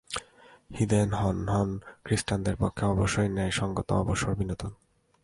হিদেন-হনন খ্রীষ্টানদের পক্ষে অবশ্যই ন্যায়সঙ্গত অবসর-বিনোদন।